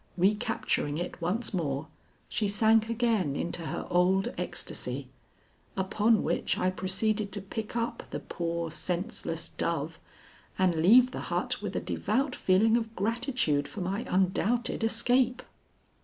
Recapturing it once more, she sank again into her old ecstasy, upon which I proceeded to pick up the poor, senseless dove, and leave the hut with a devout feeling of gratitude for my undoubted escape.